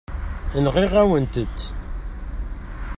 Nɣiɣ-awen-tent.